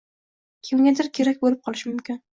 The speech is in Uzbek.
Kimgadir kerak bo’lib qolishi mumkin